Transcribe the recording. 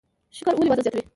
شکر ولې وزن زیاتوي؟